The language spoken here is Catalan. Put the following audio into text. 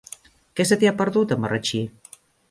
Què se t'hi ha perdut, a Marratxí?